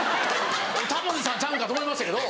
「タモリさんちゃうんか」と思いましたけど。